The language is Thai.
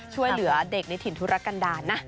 ช่วยเหลือเด็กในถิ่นธุรกันดาลนะ